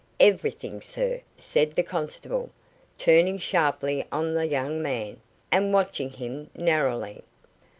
"Everything, sir," said the constable, turning sharply on the young man, and watching him narrowly.